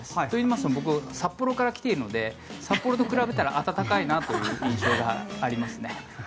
といいますのも僕、札幌から来ているので札幌と比べたら暖かいなという印象がありますね。